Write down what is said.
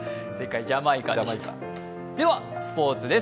では、スポーツです。